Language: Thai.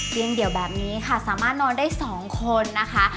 เดี่ยวแบบนี้ค่ะสามารถนอนได้๒คนนะคะ